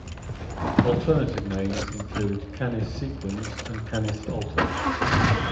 Alternative names include Canis Sequens and Canis Alter.